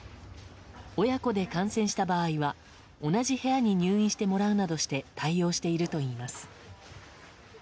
親子で感染した場合は同じ部屋に入院してもらうなどして対応しているといいます。